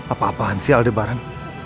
apa apaan sih aldebaran